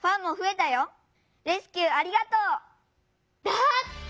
だって。